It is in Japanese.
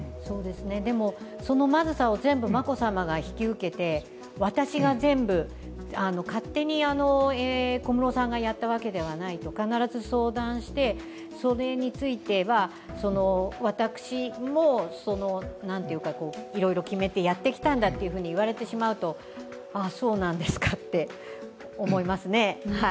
でも、そのまずさを全部、眞子さまが引き受けて、私が全部、勝手に小室さんがやったわけではないと、必ず相談してそれについては私も、いろいろ決めてやってきたんだって言われてしまうとああ、そうなんですかって思いますね。